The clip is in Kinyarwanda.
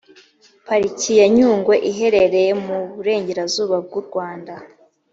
pariki ya nyungwe iherereye mu burengerazuba bw u rwanda